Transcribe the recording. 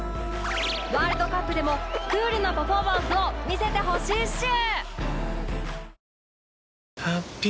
ワールドカップでもクールなパフォーマンスを見せてほしいっシュ！